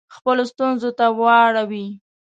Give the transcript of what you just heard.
خپلو ستونزو ته واړوي.